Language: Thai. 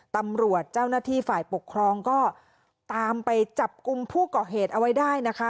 ตำรวจเจ้าหน้าที่ฝ่ายปกครองก็ตามไปจับกลุ่มผู้ก่อเหตุเอาไว้ได้นะคะ